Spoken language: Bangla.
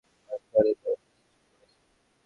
আজকে অনেক সমস্যার সৃষ্টি করেছি।